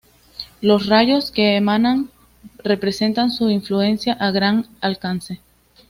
Los rayos que emana representan su influencia a gran alcance.